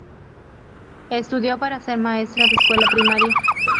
Estudió para ser maestro de escuela primaria.